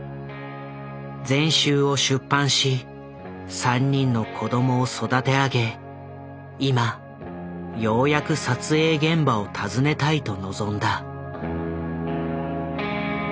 全集を出版し３人の子供を育て上げ今ようやく撮影現場を訪ねたいと望んだ。